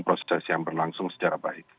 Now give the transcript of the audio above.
proses yang berlangsung secara baik